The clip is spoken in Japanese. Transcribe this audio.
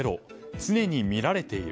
常に見られている。